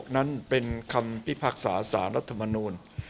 ๒๕๕๖นั้นเป็นคำพิพากษาสานัธมานูน